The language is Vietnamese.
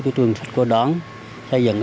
từ trường sách cô đón xây dựng